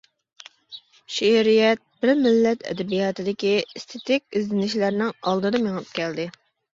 شېئىرىيەت بىر مىللەت ئەدەبىياتىدىكى ئېستېتىك ئىزدىنىشلەرنىڭ ئالدىدا مېڭىپ كەلدى.